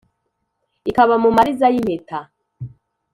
ikaba mu mariza y’ impeta,